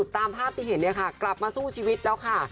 ตามภาพที่เห็นเนี่ยค่ะกลับมาสู้ชีวิตแล้วค่ะ